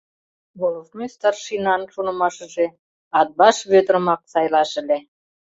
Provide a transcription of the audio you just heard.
Волостной старшинан шонымашыже Атбаш Вӧдырымак сайлаш ыле.